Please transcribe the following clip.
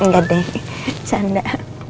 gak deh bercanda